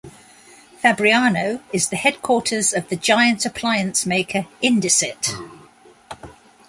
Fabriano is the headquarters of the giant appliance maker Indesit.